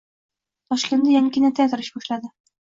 Toshkentda yangi kinoteatr ish boshladi